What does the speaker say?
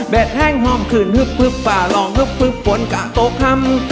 เบ็ดแห้งหอมขึ้นฮึบป่าหลองฮึบบนกะตกห่ำ